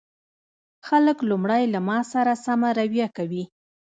خلک لومړی له ما سره سمه رويه کوي